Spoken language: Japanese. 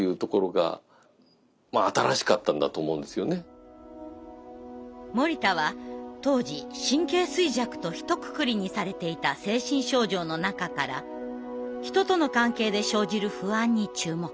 社交不安症というか森田は当時神経衰弱とひとくくりにされていた精神症状の中から人との関係で生じる不安に注目。